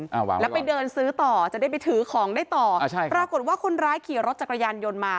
หวังแล้วไปเดินซื้อต่อจะได้ไปถือของได้ต่ออ่าใช่ปรากฏว่าคนร้ายขี่รถจักรยานยนต์มา